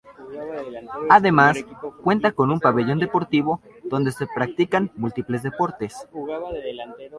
Además, cuenta con un pabellón deportivo donde se practican múltiples deportes.